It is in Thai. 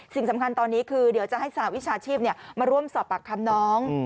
สิ่งสำคัญตอนนี้คือเดี๋ยวจะให้สหวิชาชีพมาร่วมสอบปากคำน้อง